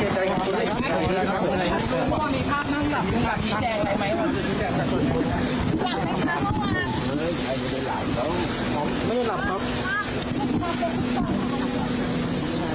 มีภาพนั่งหลับมีภาพนั่งหลับมีภาพนั่งหลับไม่หลับครับ